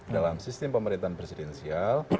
dalam sistem pemerintahan presidensial